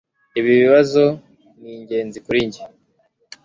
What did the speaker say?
Ibi bibazo ni ingenzi kuri njye